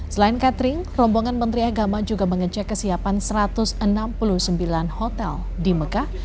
selain catering rombongan menteri agama juga mengecek kesiapan satu ratus enam puluh sembilan hotel di mekah